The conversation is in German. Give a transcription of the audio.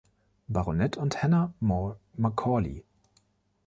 Baronet und Hannah More Macaulay.